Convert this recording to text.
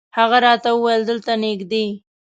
هغه راته وویل دلته نږدې.